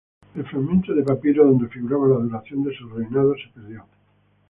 El fragmento de papiro donde figuraba la duración de su reinado se perdió.